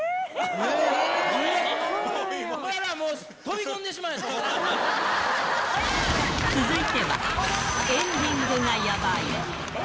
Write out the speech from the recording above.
お前らもう、続いては、エンディングがやばい。